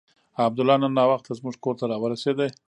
عبدالله نن ناوخته زموږ کور ته راورسېد.